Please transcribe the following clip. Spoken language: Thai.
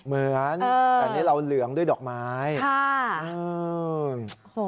เหมือนแต่นี่เราเหลืองด้วยดอกไม้ค่ะ